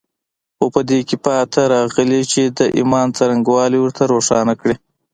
خو په دې کې پاتې راغلي چې د ايمان څرنګوالي ورته روښانه کړي.